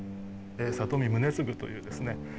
里見宗次というですね